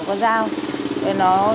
con dao nên nó